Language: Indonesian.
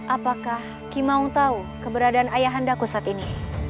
apakah ki maung tahu keberadaan ayah anda ku saat ini